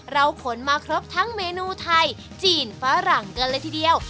เราขนมาครบทั้งเมนูไทยจีนฝรั่งกันเลยทีเดียว